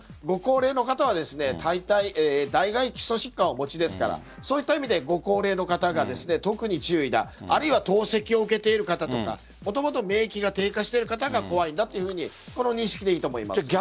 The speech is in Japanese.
ご高齢の方はだいたい基礎疾患をお持ちですからご高齢の方が特に注意であるいは透析を受けている方とかもともと免疫が低下している方が怖いんだとこの認識でいいと思います。